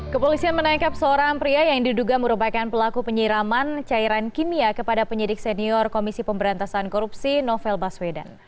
kepolisian menangkap seorang pria yang diduga merupakan pelaku penyiraman cairan kimia kepada penyidik senior komisi pemberantasan korupsi novel baswedan